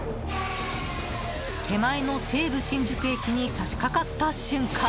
手前の西武新宿駅に差し掛かった瞬間